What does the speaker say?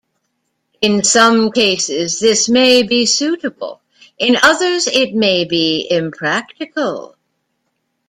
In some cases this may be suitable; in others it may be impractical.